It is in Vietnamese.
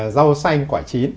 rau xanh quả chín